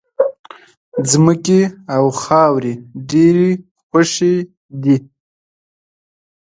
ځمکې او خاورې ډېرې خوښې دي.